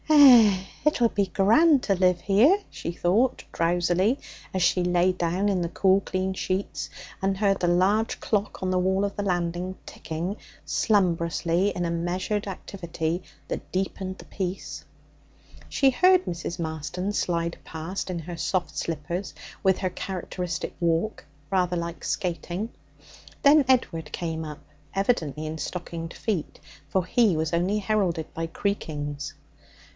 'Eh! it'll be grand to live here,' she thought drowsily, as she lay down in the cool clean sheets and heard the large clock on the wall of the landing ticking slumbrously in a measured activity that deepened the peace. She heard Mrs. Marston slide past in her soft slippers with her characteristic walk, rather like skating. Then Edward came up (evidently in stockinged feet, for he was only heralded by creakings).